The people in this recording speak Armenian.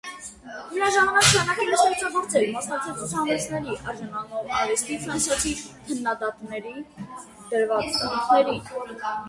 Միաժամանակ շարունակել է ստեղծագործել, մասնակցել ցուցահանդեսների՝ արժանանալով արվեստի ֆրանսիացի քննադատների դրվատանքներին։